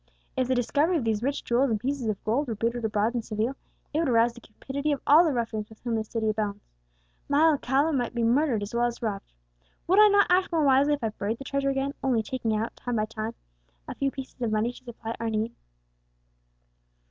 If the discovery of these rich jewels and pieces of gold were bruited abroad in Seville, it would arouse the cupidity of all the ruffians with whom this city abounds! My Alcala might be murdered as well as robbed! Would I not act more wisely if I buried the treasure again, only taking out, time by time, a few pieces of money to supply our immediate need?"